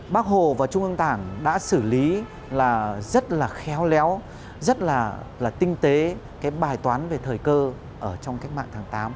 bác hồ và trung ương đảng đã xử lý rất là khéo léo rất là tinh tế bài toán về thời cơ trong các mạng tháng tám